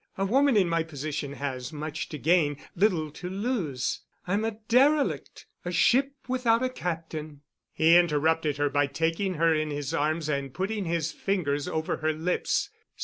A woman in my position has much to gain—little to lose. I'm a derelict, a ship without a captain——" He interrupted her by taking her in his arms and putting his fingers over her lips.